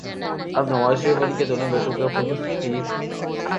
اب نواز شریف اور ان کے دونوں بیٹوں کو خود ہی